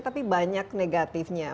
tapi banyak negatifnya